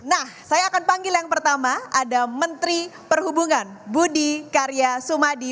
nah saya akan panggil yang pertama ada menteri perhubungan budi karya sumadi